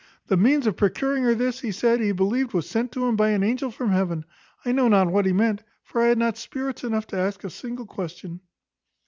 The means of procuring her this, he said, he believed was sent him by an angel from heaven. I know not what he meant; for I had not spirits enough to ask a single question.